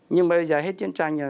nhưng bây giờ hết chiến tranh